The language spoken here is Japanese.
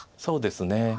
そうですね。